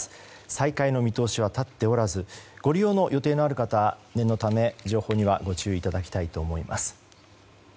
再開の見通しは立っておらずご利用の予定のある方は念のため情報にはご注意いただきたいと思います。